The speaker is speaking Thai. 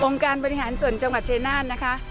องค์การปฏิหารส่วนจังหวัดเชษฐานนะคะ